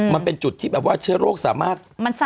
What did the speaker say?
มันเป็นจุดที่แบบว่าเชื้อโรคสามารถ